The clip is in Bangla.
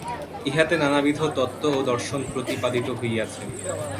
ইহাতে নানাবিধ তত্ত্ব ও দর্শন প্রতিপাদিত হইয়াছে।